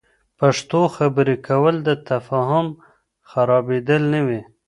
پښتو خبرې کول، د تفهم خرابیدل نه وي.